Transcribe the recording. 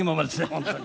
本当に。